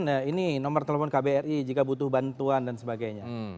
nah ini nomor telepon kbri jika butuh bantuan dan sebagainya